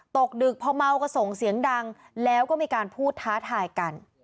ตกดึกพอเมาก็ส่งเสียงดังแล้วก็มีการพูดท้าทายกัน